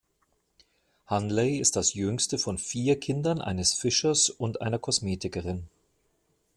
Hunley ist das jüngste von vier Kindern eines Fischers und einer Kosmetikerin.